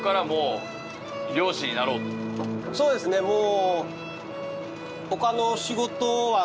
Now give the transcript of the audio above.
そうですねもう。